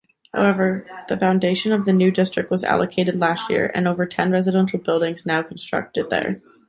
However, the foundation of the new district was allocated last year, and over ten residential buildings now constructed there.